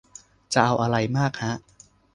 จะเอาไรมากฮะ